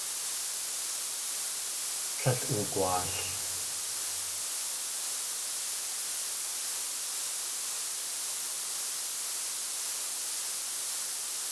Tlél oogwaal.